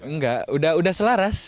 enggak udah selaras